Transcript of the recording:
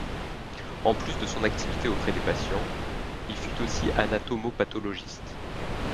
En plus de son activité auprès des patients, il fut aussi anatomopathologiste.